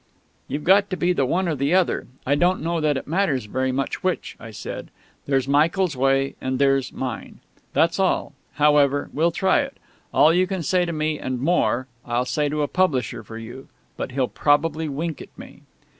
"You've got to be one thing or the other I don't know that it matters very much which," I said. "There's Michael's way, and there's... mine. That's all. However, we'll try it. All you can say to me, and more, I'll say to a publisher for you. But he'll probably wink at me."